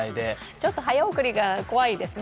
ちょっと早送りが怖いですね。